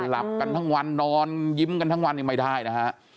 หลับกันทั้งวันนอนยิ้มกันทั้งวันนี้ไม่ได้นะฮะ